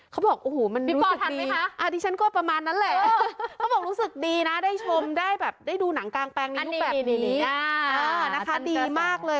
เขาบอกโอ้โหมันรู้สึกดีนะได้ชมได้แบบได้ดูหนังกลางแปลงในยุคแบบนี้นะคะดีมากเลย